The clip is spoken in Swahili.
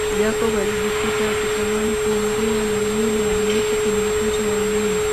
Jacob alijikuta akitamani kuongea na yule aliyeko kwenye nguzo ya umeme